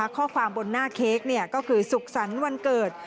ข้อความบนหน้าเค้กก็คือสุขสรรค์วันเกิด